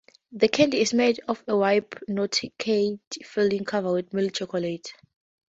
The candy is made of a whipped nougat filling covered with milk chocolate.